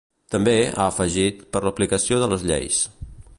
També, ha afegit, per l'aplicació de les lleis.